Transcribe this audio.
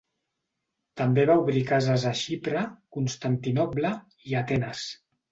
També va obrir cases a Xipre, Constantinoble i Atenes.